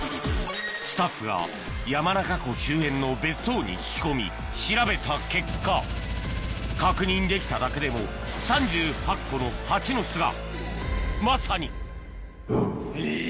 スタッフが山中湖周辺の別荘に聞き込み調べた結果確認できただけでも３８個のハチの巣がまさにえ！